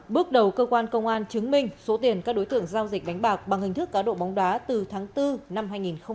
bước đầu cơ quan công an chứng minh số tiền các đối tượng giao dịch đánh bạc bằng hình thức cá độ bóng đá từ tháng bốn năm hai nghìn hai mươi ba